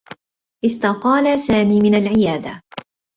استقال سامي من العيادة.